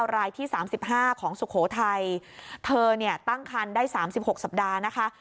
รายที่๓๕ของสุโขทัยเธอเนี่ยตั้งคันได้๓๖สัปดาห์นะคะ